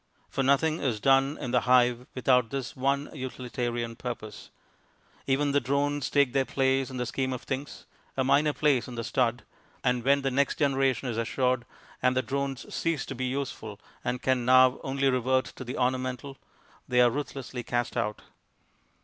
For nothing is done in the hive without this one utilitarian purpose. Even the drones take their place in the scheme of things; a minor place in the stud; and when the next generation is assured, and the drones cease to be useful and can now only revert to the ornamental, they are ruthlessly cast out.